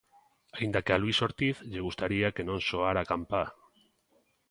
Aínda que a Luís Ortiz lle gustaría que non soara a campá.